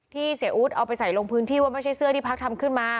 เสียอู๊ดเอาไปใส่ลงพื้นที่ว่าไม่ใช่เสื้อที่พักทำขึ้นมา